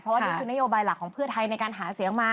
เพราะว่านี่คือนโยบายหลักของเพื่อไทยในการหาเสียงมา